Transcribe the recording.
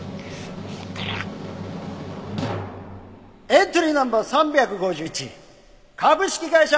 エントリーナンバー３５１株式会社